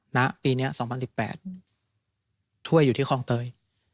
ณปีนี้๒๐๑๘ถ้วยอยู่ที่คลองเตย